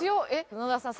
野田さん